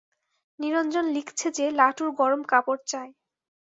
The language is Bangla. নিরঞ্জন লিখছে যে লাটুর গরম কাপড় চাই।